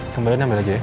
kembali nambah lagi ya